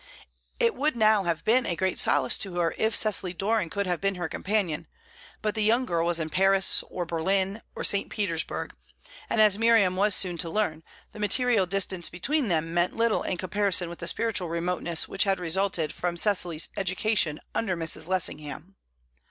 It would now have been a great solace to her if Cecily Doran could have been her companion; but the young girl was in Paris, or Berlin, or St. Petersburg, and, as Miriam was soon to learn, the material distance between them meant little in comparison with the spiritual remoteness which resulted from Cecily's education under Mrs. Lessingham.